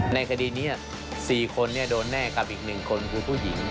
ในคดีนี้๔คนโดนแน่กับอีก๑คนคือผู้หญิง